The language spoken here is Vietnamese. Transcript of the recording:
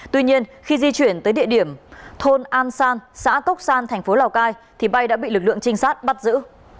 tuy nhiên khi di chuyển tới địa điểm thôn an san xã cốc san thành phố lào cai thì bay đã bị lực lượng trinh sát bắt giữ